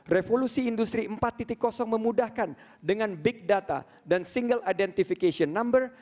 revolusi industri empat memudahkan dengan big data dan single identification number